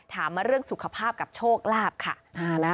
ถามมาเรื่องสุขภาพกับโชคลาภค่ะ